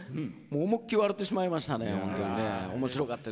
思いっきり笑ってしまいましたね